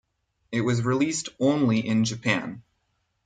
It was released only in Japan.